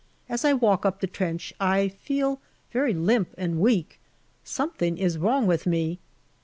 As I walk up the trench I feel very limp and weak. Something is wrong with me.